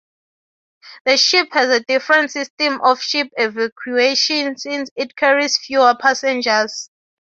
The ship has a different system of ship evacuation since it carries fewer passengers.